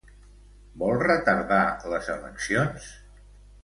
Vol retardar les eleccions?